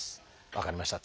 分かりました。